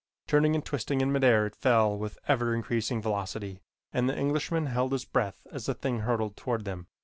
Turning and twisting in mid air it fell with ever increasing velocity and the Englishman held his breath as the thing hurtled toward them.